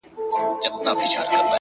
زور او زير مي ستا په لاس کي وليدی”